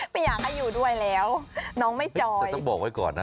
ไม่อยากให้อยู่ด้วยแล้วน้องไม่จอยต้องบอกไว้ก่อนนะ